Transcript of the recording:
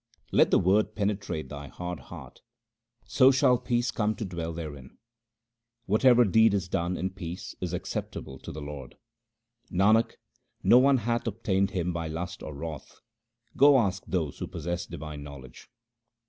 Let the Word penetrate thy hard heart, so shall peace come to dwell therein. Whatever deed is done in peace is acceptable to the Lord. Nanak, no one hath obtained Him by lust and wrath ; go ask those who possess divine knowledge.